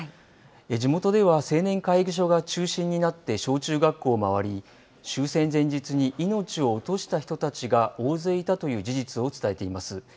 地元では、青年会議所が中心になって小中学校を回り、終戦前日に命を落とした人たちが大勢いたという事実を伝えています。